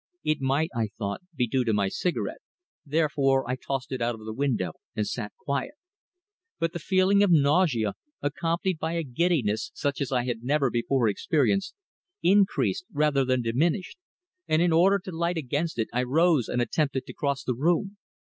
It might, I thought, be due to my cigarette, therefore I tossed it out of the window and sat quiet. But the feeling of nausea, accompanied by a giddiness such as I had never before experienced, increased rather than diminished, and in order to light against it I rose and attempted to cross the room.